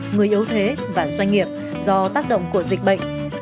người yếu thế và doanh nghiệp do tác động của dịch bệnh